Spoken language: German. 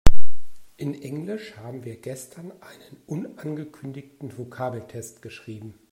In Englisch haben wir gestern einen unangekündigten Vokabeltest geschrieben.